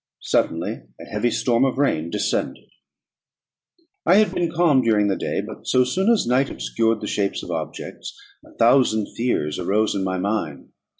Suddenly a heavy storm of rain descended. I had been calm during the day; but so soon as night obscured the shapes of objects, a thousand fears arose in my mind.